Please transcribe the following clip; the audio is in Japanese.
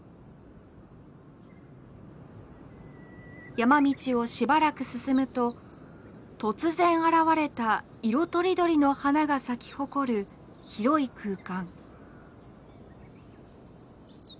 山道をしばらく進むと突然現れた色とりどりの花が咲き誇る広い空間。